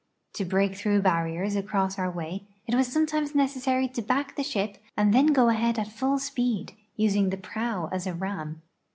To break through barriers across our way it was sometimes necessary to back the ship and then go ahead at full speed, using the prow as a ram.